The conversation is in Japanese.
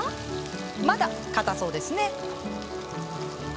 まだ、かたそうですね。